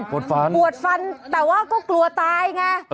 ปวดฟันปวดฟันแต่ว่าก็กลัวตายไง